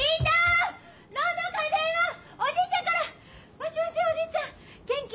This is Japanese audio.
もしもしおじいちゃん元気？